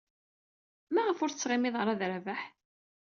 Maɣef ur tettɣimid ara ed Rabaḥ?